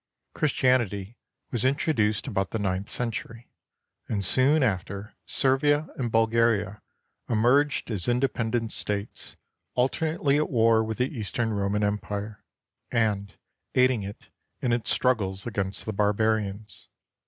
Christianity was introduced about the ninth century, and soon after Servia and Bulgaria emerged as independent states, alternately at war with the Eastern Roman Empire and aiding it in its struggles against the barbarians.